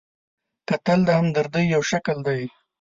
کتل د همدردۍ یو شکل دی